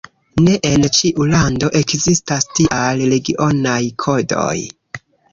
Ne en ĉiu lando ekzistas tiaj regionaj kodoj.